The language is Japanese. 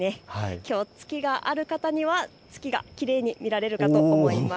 きょう、ツキがある方には月がきれいに見えるかと思います。